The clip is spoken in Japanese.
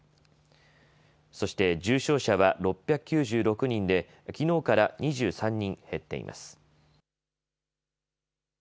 そして重症者は６９６人できのうから２３人減っています。